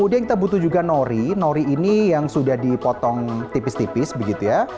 ini yang sudah dipotong tipis tipis begitu ya